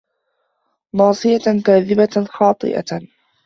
ناصِيَةٍ كاذِبَةٍ خاطِئَةٍ